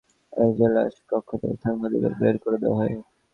আদালতের কার্যক্রম শুরুর আগে এজলাসকক্ষ থেকে সাংবাদিকদের বের করে দেওয়া হয়।